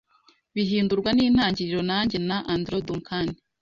bihindurwa n’intangiriro na njye na Andrew Duncan